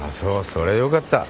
そりゃよかった。